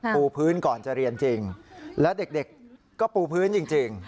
ปูพื้นก่อนจะเรียนจริงแล้วเด็กก็ปูพื้นจริง